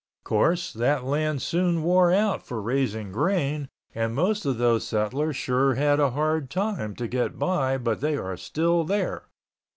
Course that land soon wore out for raising grain and most of those settlers sure had a hard time to get by but they are still there.